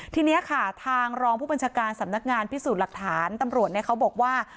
ทีนี้ค่ะทางรองผู้บัญชาการสำนักงานพิสูจน์หลักฐานตำรวจเขาบอกว่า